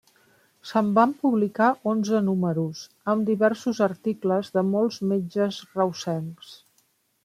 Se'n van publicar onze números, amb diversos articles de molts metges reusencs.